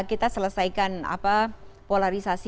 kita selesaikan polarisasi